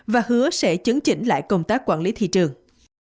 và hứa sẽ chấn chỉnh lại công tác quản lý thị trường